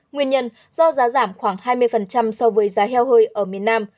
nguyên nhân do giá giảm khoảng hai mươi so với giá heo hơi ở miền nam